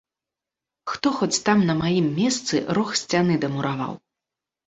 Хто хоць там на маім месцы рог сцяны дамураваў?